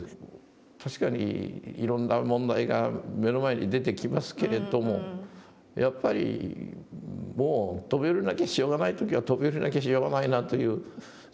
確かにいろんな問題が目の前に出てきますけれどもやっぱりもう飛び降りなきゃしょうがない時は飛び降りなきゃしょうがないなという。